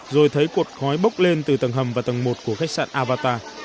rồi thấy cột khói bốc lên từ tầng hầm và tầng một của khách sạn avatar